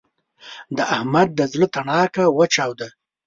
د احمد د زړه تڼاکه وچاوده.